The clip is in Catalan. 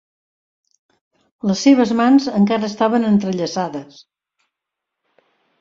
Les seves mans encara estaven entrellaçades.